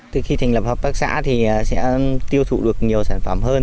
từ khi thành lập hợp tác xã thì sẽ tiêu thụ được nhiều sản phẩm hơn